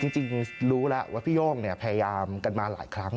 จริงรู้แล้วว่าพี่โย่งพยายามกันมาหลายครั้ง